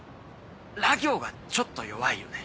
ら行がちょっと弱いよね。